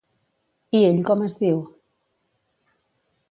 I ell com es diu?